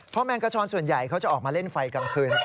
เพราะแมงกระชอนส่วนใหญ่เขาจะออกมาเล่นไฟกลางคืน